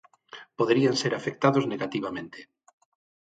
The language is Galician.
Poderían ser afectados negativamente.